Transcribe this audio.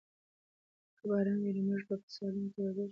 که باران وي نو موږ به په سالون کې ورزش وکړو.